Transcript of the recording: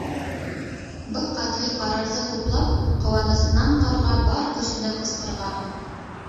Был ҡәтғи ҡарарҙы хуплап, ҡыуанысынан Ҡарға бар көсөнә ҡысҡырған: